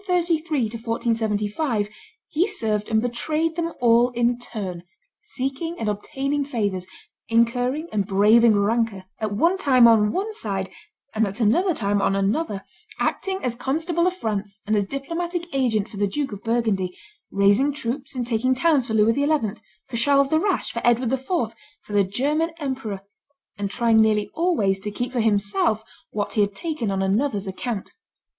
From 1433 to 1475 he served and betrayed them all in turn, seeking and obtaining favors, incurring and braving rancor, at one time on one side and at another time on another, acting as constable of France and as diplomatic agent for the Duke of Burgundy, raising troops and taking towns for Louis XI., for Charles the Rash, for Edward IV., for the German emperor, and trying nearly always to keep for himself what he had taken on another's account.